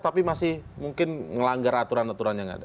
tapi masih mungkin ngelanggar aturan aturannya nggak ada